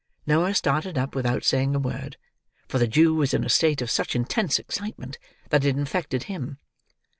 Noah started up without saying a word; for the Jew was in a state of such intense excitement that it infected him.